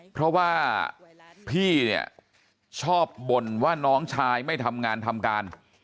เพราะว่าพี่เนี่ยชอบบ่นว่าน้องชายไม่ทำงานทำการ